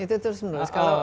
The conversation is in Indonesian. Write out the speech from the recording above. itu terus menulis